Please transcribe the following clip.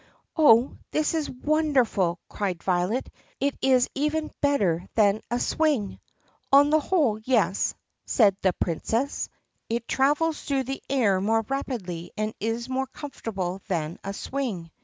"Oh, this is wonderful!" cried Violet. "It is even better than a swing." "On the whole, yes," said the Princess. "It travels through the air more rapidly and is more comfortable than a swing."